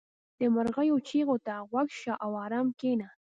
• د مرغیو چغې ته غوږ شه او آرام کښېنه.